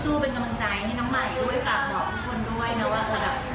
แล้วก็สู้เป็นกำลังใจให้น้องใหม่ด้วยบอกทุกคนด้วยนะว่า